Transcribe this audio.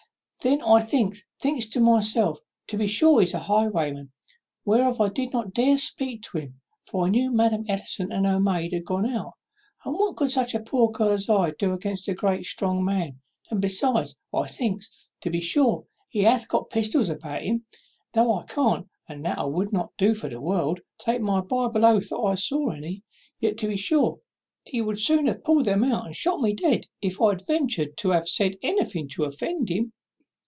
Then I thinks, thinks I to myself, to be sure he is a highwayman, whereof I did not dare speak to him; for I knew Madam Ellison and her maid was gone out, and what could such a poor girl as I do against a great strong man? and besides, thinks I, to be sure he hath got pistols about him, though I can't indeed, (that I will not do for the world) take my Bible oath that I saw any; yet to be sure he would have soon pulled them out and shot me dead if I had ventured to have said anything to offend him."